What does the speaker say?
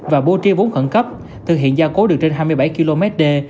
và bô tri vốn khẩn cấp thực hiện gia cố được trên hai mươi bảy km đê